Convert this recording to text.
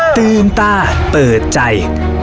ตื่นตาเปิดใจ